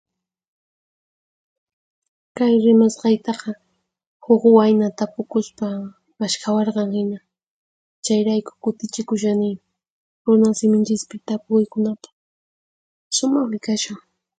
Kay rimasqaytaqa huq wayna tapukuspa mashkhawarqan hina, chayrayku kutichikushani runasiminchispi tapukuykunata. Sumaqmi kashan.